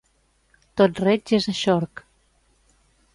Tot reig és eixorc.